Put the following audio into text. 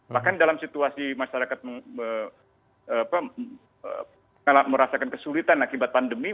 bahkan dalam situasi masyarakat merasakan kesulitan akibat pandemi